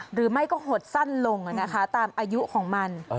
หรือไม่ก็หดสั้นลงตามอายุของมัน